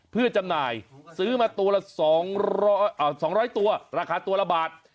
เพื่อจำหน่ายซื้อมาตัวละ๒๐๐ตัวราคาตัวละบาท